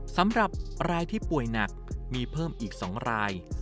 สำหรับรายที่ป่วยหนักมีเพิ่มอีก๒ราย